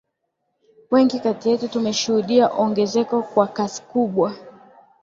wengi kati yetu tumeshuhudia ongezeko kwa kasi kubwa